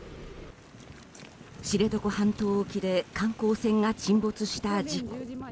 知床半島沖で観光船が沈没した事故。